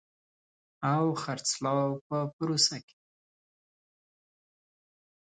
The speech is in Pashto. او خرڅلاو په پروسه کې